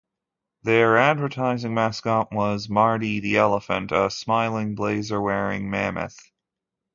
Their advertising mascot was Marty the elephant, a smiling, blazer-wearing mammoth.